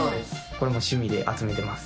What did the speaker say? これも趣味で集めてます。